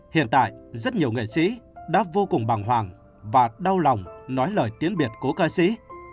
hiện tại rất nhiều nghệ sĩ đã vô cùng bàng hoàng và đau lòng nói lời tiếng biệt cố ca sĩ